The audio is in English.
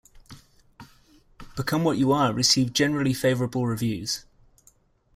"Become What You Are" received generally favorable reviews.